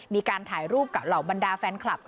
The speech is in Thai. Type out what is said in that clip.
มีการถ่ายรูปกับเหล่าบรรดาแฟนคลับ